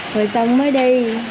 rồi xong mới đi